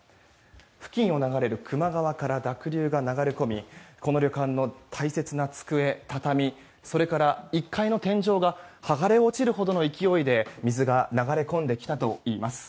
付近を流れる球磨川から濁流が流れ込みこの旅館の大切な机、畳それから、１階の天井が剥がれ落ちるほどの勢いで水が流れ込んできたといいます。